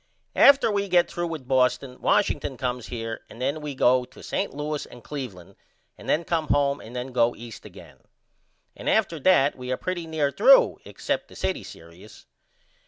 After we get threw with Boston, Washington comes here and then we go to St. Louis and Cleveland and then come home and then go East again. And after that we are pretty near threw except the city serious.